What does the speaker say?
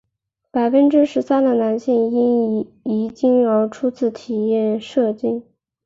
百分之十三的男性因遗精而初次体验射精。